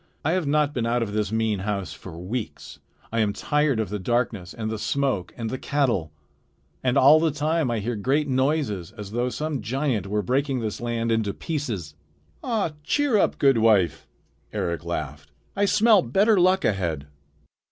"I have not been out of this mean house for weeks. I am tired of the darkness and the smoke and the cattle. And all the time I hear great noises, as though some giant were breaking this land into pieces." "Ah, cheer up, good wife!" Eric laughed. "I smell better luck ahead."